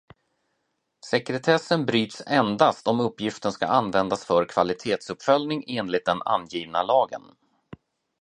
Sekretessen bryts endast om uppgiften ska användas för kvalitetsuppföljning enligt den angivna lagen.